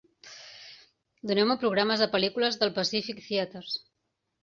Doneu-me programes de pel·lícules del Pacific Theaters